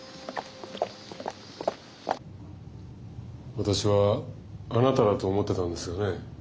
私はあなただと思ってたんですがね。